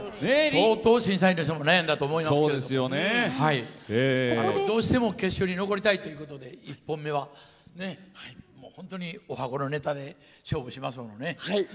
相当、審査員の人も悩んだと思いますけどどうしても決勝に残りたいということで１本目は本当に、おはこのネタで勝負しましたもんね。